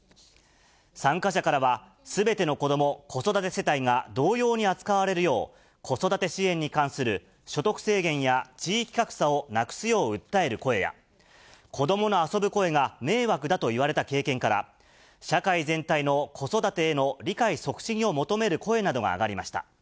参加者からは、すべての子ども・子育て世帯が同様に扱われるよう、子育て支援に関する所得制限や地域格差をなくすよう訴える声や、子どもの遊ぶ声が迷惑だと言われた経験から、社会全体の子育てへの理解促進を求める声などが上がりました。